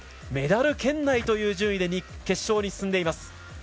メダル圏内という順位で決勝に進んでいます。